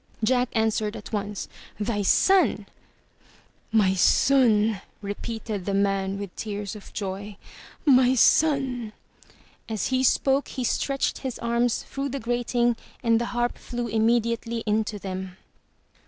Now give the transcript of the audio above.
Jack answered at once, "Thy son!" "My son!" repeated the man with tears of joy. "My son!" As he spoke, he stretched his arms through the grating and the Harp flew immediately into them.